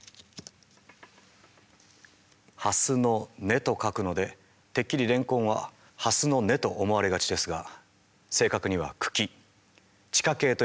「蓮の根」と書くのでてっきりレンコンはハスの根と思われがちですが正確には茎地下茎と呼ばれる茎なんです。